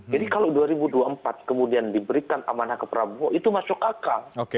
jadi kalau dua ribu dua puluh empat kemudian diberikan amanah ke prabowo itu masuk akal